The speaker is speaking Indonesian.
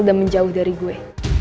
dan menjauh dari gue